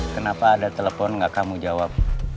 kenapa ada telepon gak kamu jawab